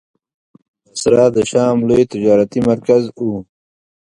بصره د شام لوی تجارتي مرکز و.